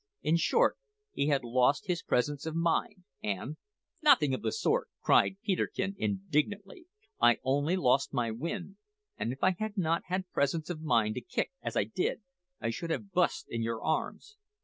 In short, he had lost his presence of mind, and " "Nothing of the sort!" cried Peterkin indignantly; "I only lost my wind, and if I had not had presence of mind enough to kick as I did, I should have bu'st in your arms!"